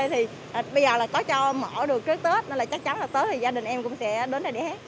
thì bây giờ là có cho mở được cái tết nên là chắc chắn là tới thì gia đình em cũng sẽ đến đây để hát